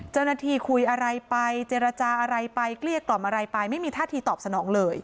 เจ้าหน้าที่คุยอะไรไปเจรจาอะไรไปเกลี้ยกล่อมอะไรไปไม่มีท่าทีตอบสนองเลย